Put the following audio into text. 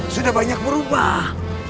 sudah banyak berubah